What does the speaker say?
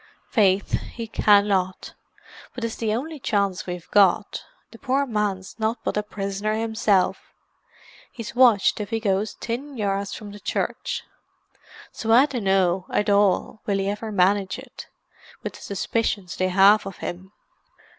"Faith, he cannot. But 'tis the only chance we've got. The poor man's nothing but a prisoner himself; he's watched if he goes tin yards from the church. So I dunno, at all, will he ever manage it, with the suspicions they have of him."